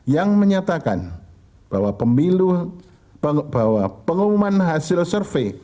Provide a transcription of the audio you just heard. yang menyatakan bahwa pengumuman hasil survei